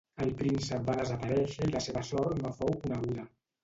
El príncep va desaparèixer i la seva sort no fou coneguda.